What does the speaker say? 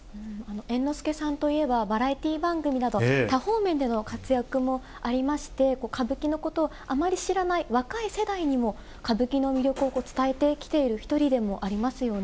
猿之助さんといえば、バラエティー番組など、多方面での活躍もありまして、歌舞伎のことをあまり知らない若い世代にも、歌舞伎の魅力を伝えてきている一人でもありますよね。